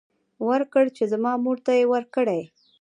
ورکړ چې زما مور ته يې ورکړي.